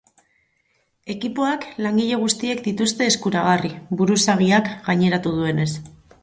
Ekipoak langile guztiek dituzte eskuragarri, buruzagiak gaineratu duenez.